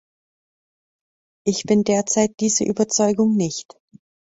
Ich bin derzeit dieser Überzeugung nicht.